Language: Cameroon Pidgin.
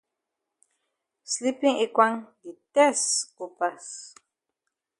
Sleepin ekwang di tess go pass.